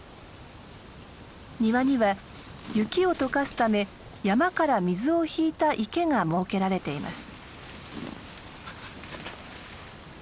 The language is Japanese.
庭には雪を解かすため山から水を引いた池が設けられています。